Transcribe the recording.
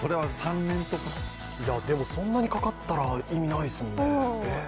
そんなにかかったら意味ないですもんね。